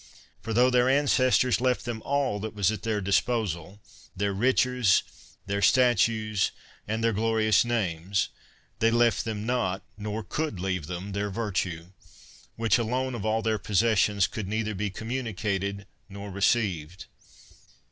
For tho their ances tors left them all that was at their disposal — their riches, their statues, and their glorious names — they left them not, nor could leave them, their virtue; which alone, of all their possessions, could neither be communicated nor received.